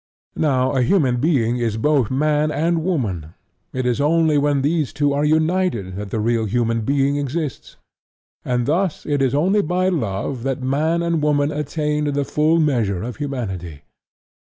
Now a human being is both MAN and WOMAN: it is only when these two are united that the real human being exists; and thus it is only by love that man and woman attain to the full measure of humanity.